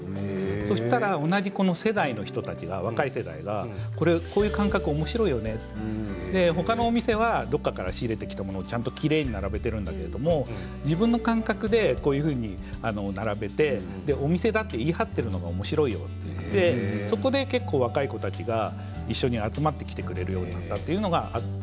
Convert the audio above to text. そうしたら同じ世代の人たちが若い世代がこういう感覚おもしろいよねって他の店はどこかから仕入れてきたものを、ちゃんときれいに並べているんだけども自分の感覚でこういうふうに並べてお店だって言い張っているのがおもしろいよと言ってそこで結構、若い子たちが一緒に集まってきてくれるようになったというのがあって。